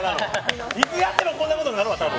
いつやってもこんなことになるわ、多分！